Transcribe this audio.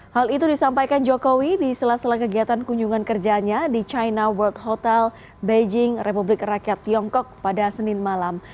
hal itu disampaikan jokowi di sela sela kegiatan kunjungan kerjanya di china world hotel beijing republik rakyat tiongkok pada senin malam